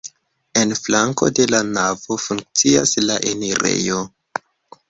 En flanko de la navo funkcias la enirejo.